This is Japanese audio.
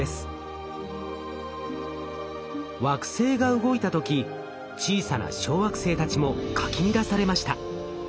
惑星が動いた時小さな小惑星たちもかき乱されました。